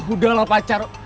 udah lah pacar